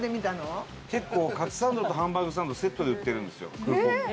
結構かつサンドとハンバーグサンドセットで売ってるんですよ。へえ！